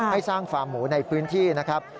ให้สร้างฟาร์มหมูในพื้นที่นะครับ